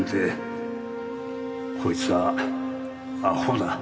こいつはアホだ。